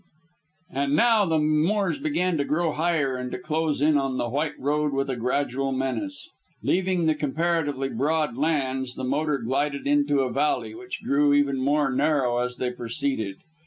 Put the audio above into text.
And now the moors began to grow higher and to close in on the white road with a gradual menace. Leaving the comparatively broad lands, the motor glided into a valley, which grew even more narrow as they proceeded.